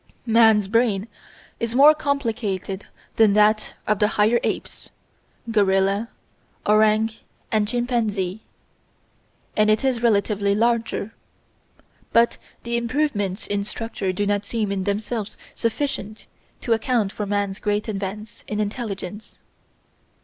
Man's brain is more complicated than that of the higher apes gorilla, orang, and chimpanzee and it is relatively larger. But the improvements in structure do not seem in themselves sufficient to account for man's great advance in intelligence.